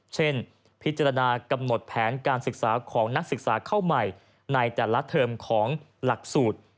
เช่นพิจารณากำหนดแผนการศึกษาของนักศึกษาเข้าใหม่ในแต่ละเทอมของหลักสูตร